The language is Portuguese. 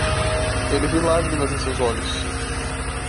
Ele viu lágrimas em seus olhos.